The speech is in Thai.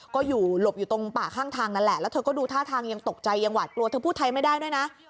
ก็อยู่หลบอยู่ตรงป่าข้างทางนั่นแหละแล้วเธอก็ดูท่าทางยังตกใจยังหวาดกลัวเธอพูดไทยไม่ได้ด้วยนะ